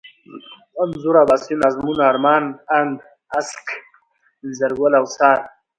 انځور ، اباسين ، ازمون ، ارمان ، اند، اڅک ، انځرگل ، اوڅار